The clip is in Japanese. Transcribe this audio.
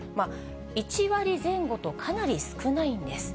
１割前後と、かなり少ないんです。